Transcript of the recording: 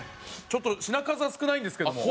ちょっと品数は少ないんですけども。